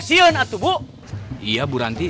iya bu ranti